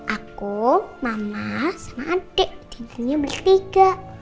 aku mama sama adik ibunya bertiga